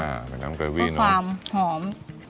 อ่าเป็นน้ำเกวี่น้ำเพื่อความหอม